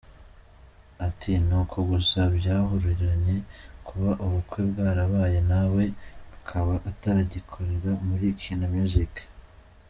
Ati “ Ni uko gusa byahuriranye, kuba ubukwe bwarabaye nawe akaba atagikorera muri Kina Music.